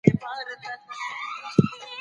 پلان جوړونه د اقتصادي پوهي په اساس ترسره کيږي.